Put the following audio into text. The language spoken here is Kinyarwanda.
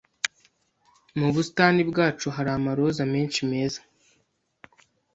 Mu busitani bwacu hari amaroza menshi meza.